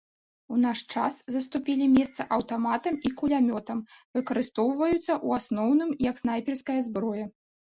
У наш час саступілі месца аўтаматам і кулямётам, выкарыстоўваюцца ў асноўным як снайперская зброя.